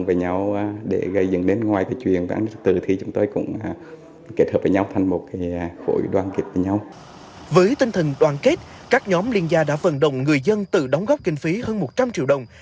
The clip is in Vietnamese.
với tinh thần đoàn kết các nhóm liên gia đã vận động người dân tự đóng góp kinh phí hơn một trăm linh triệu đồng